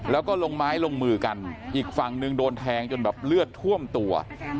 แล้วก็ลงไม้ลงมือกันอีกฝั่งหนึ่งโดนแทงจนแบบเลือดท่วมตัว